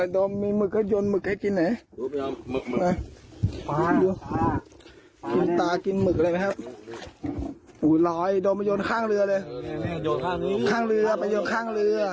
โดมมีหมึกยนต์หมึกให้กินไหน